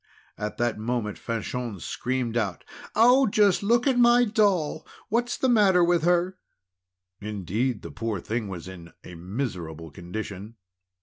At that moment, Fanchon screamed out: "Oh! just look at my doll! What's the matter with her?" Indeed, the poor thing was in a miserable condition.